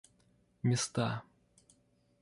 места